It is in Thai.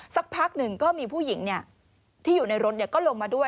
สักพักหนึ่งก็มีผู้หญิงที่อยู่ในรถก็ลงมาด้วย